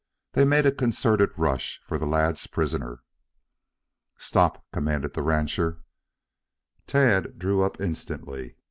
They made a concerted rush for the lad's prisoner. "Stop!" commanded the rancher. Tad drew up instantly.